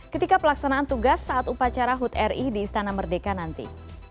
ketika pelaksanaan tugas saat upacara hut ri di istana merdeka nanti